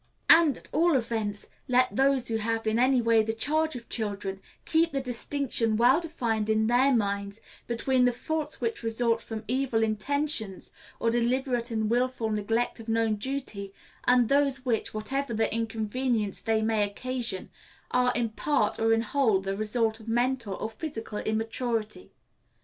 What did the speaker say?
And, at all events, let those who have in any way the charge of children keep the distinction well defined in their minds between the faults which result from evil intentions, or deliberate and willful neglect of known duty, and those which, whatever the inconvenience they may occasion, are in part or in whole the results of mental or physical immaturity.